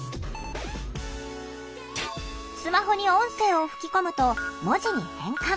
スマホに音声を吹き込むと文字に変換。